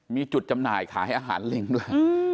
มีจุดจำหน่ายขายอาหารลิงด้วย